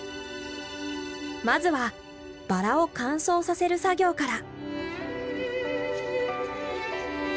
まずはバラを乾燥させる作業から。